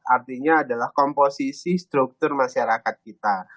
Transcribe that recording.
artinya adalah komposisi struktur masyarakat kita